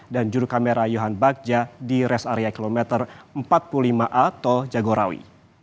dan juru kamera yohan bagja di res area kilometer empat puluh lima a tol jagorawi